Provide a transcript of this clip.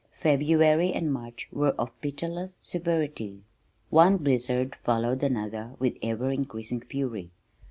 February and March were of pitiless severity. One blizzard followed another with ever increasing fury.